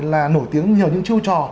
là nổi tiếng nhiều những chiêu trò